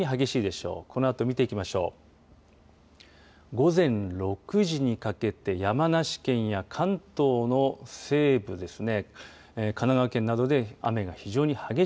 午前６時にかけて山梨県や関東の西部ですね。